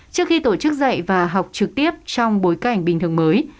trước khi tổ chức dạy và học trực tiếp trong bối cảnh bình thường mới